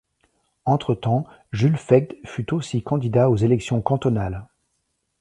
Entretemps, Jules Faigt fut aussi candidat aux élections cantonales.